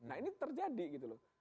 nah ini terjadi gitu loh